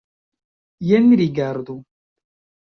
Jen rigardu!